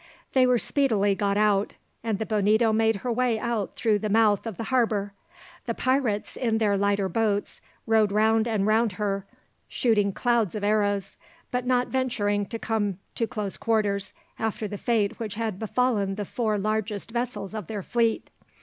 They were speedily got out, and the Bonito made her way out through the mouth of the harbour. The pirates, in their lighter boats, rowed round and round her, shooting clouds of arrows, but not venturing to come to close quarters, after the fate which had befallen the four largest vessels of their fleet.